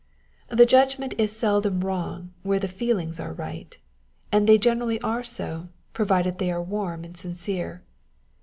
The judgment is seldom wrong where the feelings are right ; and they generally are so, provided they are warm and sincere.